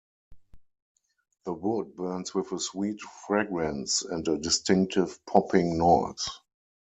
The wood burns with a sweet fragrance and a distinctive popping noise.